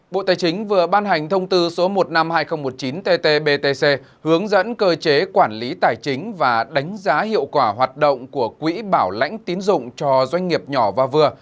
bộ tài chính vừa ban hành thông tư số một trăm năm mươi hai nghìn một mươi chín ttbtc hướng dẫn cơ chế quản lý tài chính và đánh giá hiệu quả hoạt động của quỹ bảo lãnh tín dụng cho doanh nghiệp nhỏ và vừa